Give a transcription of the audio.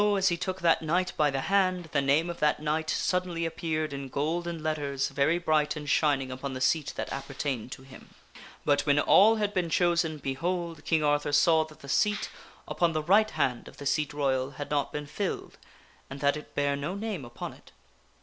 as he took that knight by the hand, the name of that knight suddenly appeared in golden letters, very bright and shining, upon the seat that appertained to him. But when all had been chosen, behold ! King Arthur saw that the seat upon the right hand of the Seat Royal had not been filled, and that it bare no name upon it.